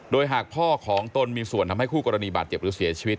โดยหากพ่อของตนมีส่วนทำให้คู่กรณีบาดเจ็บหรือเสียชีวิต